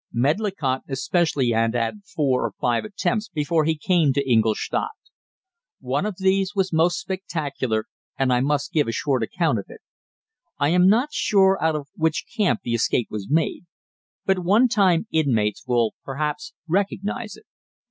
Medlicott especially had had four or five attempts before he came to Ingolstadt. One of these was most spectacular, and I must give a short account of it. I am not sure out of which camp the escape was made, but one time inmates will perhaps recognize it.